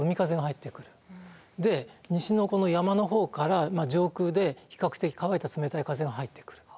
で西のこの山の方から上空で比較的乾いた冷たい風が入ってくる。